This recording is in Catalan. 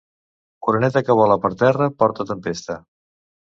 Oreneta que vola per terra porta tempesta.